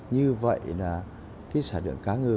như vậy là cái sản lượng cá ngừ này